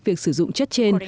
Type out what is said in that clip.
việc sử dụng chất trên